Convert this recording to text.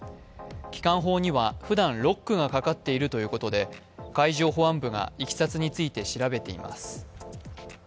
機関砲にはふだんロックがかかっているということで海上保安部がいきさつについて調べています。